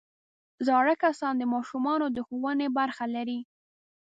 زاړه کسان د ماشومانو د ښوونې برخه لري